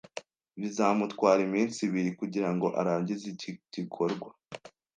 Bizamutwara iminsi ibiri kugirango arangize iki gikorwa